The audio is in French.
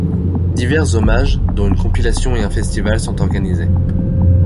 Divers hommages, dont une compilation et un festival sont organisés.